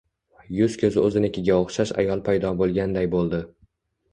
yuz-ko'zi o'zinikiga o'xshash ayol paydo bo'lganday bo'ldi.